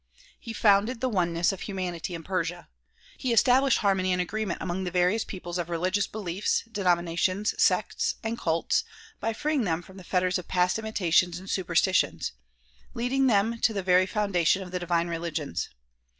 He founded the oneness of humanity in Persia. He established har mony and agreement among the various peoples of religious beliefs, denominations, sects and cults by freeing them from the fetters of past imitations and superstitions; leading them to the very foun dation of the divine religions.